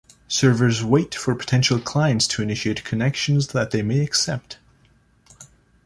Servers wait for potential clients to initiate connections that they may accept.